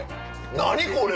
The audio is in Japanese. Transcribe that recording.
何これ！